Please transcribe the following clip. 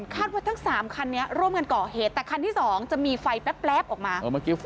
ว่าทั้ง๓คันนี้ร่วมกันก่อเหตุแต่คันที่สองจะมีไฟแป๊บออกมา